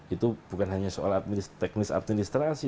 itu bukan hanya soal teknis administrasi